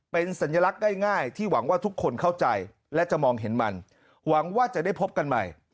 เป็นสัญลักษณ์ง่ายที่หวังว่าทุกคนเข้าใจและจะมองเห็นมันหวังว่าจะได้พบกันใหม่